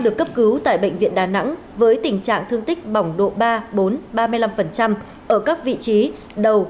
được cấp cứu tại bệnh viện đà nẵng với tình trạng thương tích bỏng độ ba bốn ba mươi năm ở các vị trí đầu